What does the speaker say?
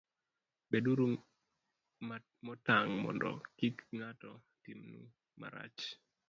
beduru motang' mondo kik ng'ato timnu marach.